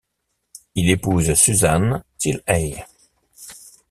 Il épouse Suzanne Thillaye.